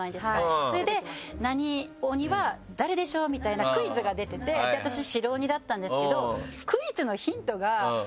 それで「何鬼は誰でしょう？」みたいなクイズが出てて私白鬼だったんですけど。